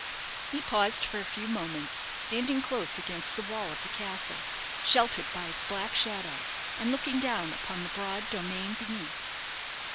He paused for a few moments, standing close against the wall of the castle, sheltered by its black shadow, and looking down upon the broad domain beneath.